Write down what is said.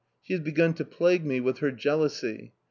She has begun to plague me with her jealousy.